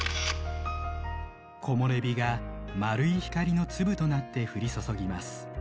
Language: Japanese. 木漏れ日が丸い光の粒となって降り注ぎます。